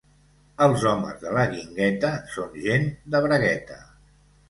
Els homes de la Guingueta són gent de bragueta.